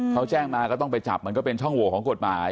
เขาแจ้งมาก็ต้องไปจับมันก็เป็นช่องโหวของกฎหมาย